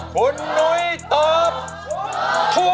ถูกถูกถูกถูก